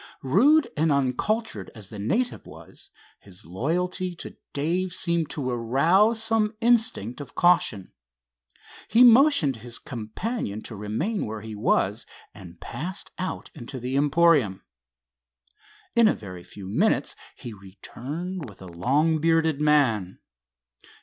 Rude and uncultured as the native was, his loyalty to Dave seemed to arouse some instinct of caution. He motioned his companion to remain where he was, and passed out into the emporium. In a very few minutes he returned with a long bearded man.